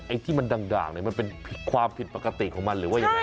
ไอ้ที่มันด่างมันเป็นความผิดปกติของมันหรือว่าอย่างไร